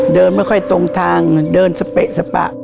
เดินไม่ค่อยตรงทางเดินสเปะสปะ